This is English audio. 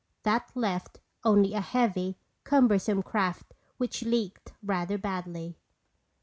That left only a heavy, cumbersome craft which leaked rather badly.